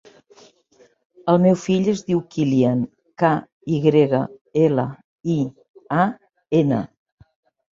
El meu fill es diu Kylian: ca, i grega, ela, i, a, ena.